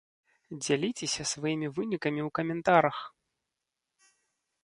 Дзяліцеся сваімі вынікамі ў каментарах!